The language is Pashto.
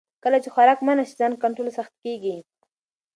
کله چې خوراک منع شي، ځان کنټرول سخت کېږي.